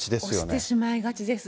押してしまいがちです。